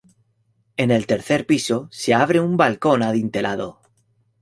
En el tercer piso se abre un balcón adintelado.